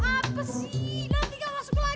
apa sih nanti gak masuk lagi